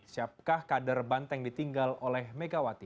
siapkah kader banteng ditinggal oleh megawati